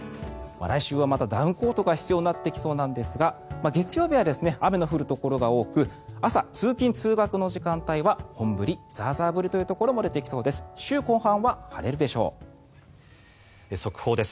来週はまたダウンコートが必要になってきそうなんですが月曜日は雨の降るところが多く朝、通勤・通学の時間帯は本降り、ザーザー降りというところも出てきそうです。